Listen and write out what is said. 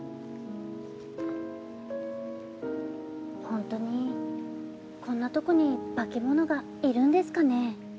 「ホントにこんなとこに化け物がいるんですかね？」